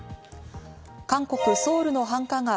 韓国ソウルの繁華街